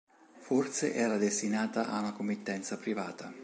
Forse era destinata a una committenza privata.